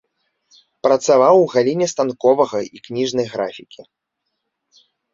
Працаваў у галіне станковага і кніжнай графікі.